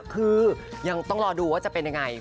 คือยังต้องรอดูว่าจะเป็นยังไง